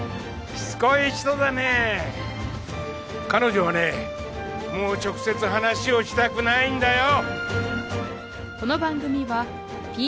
しつこい人だね彼女はねもう直接話をしたくないんだよ！